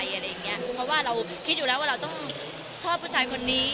เพราะว่าเราคิดอยู่แล้วว่าเราต้องชอบผู้ชายคนนี้